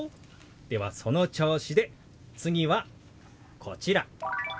ではその調子で次はこちら。